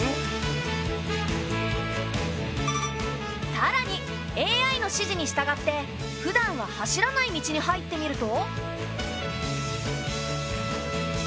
さらにＡＩの指示に従ってふだんは走らない道に入ってみると。